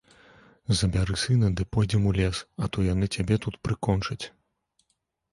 Забяры сына ды пойдзем у лес, а то яны цябе тут прыкончаць.